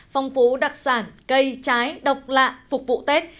phong phú đặc sản cây trái độc lạ phục vụ tết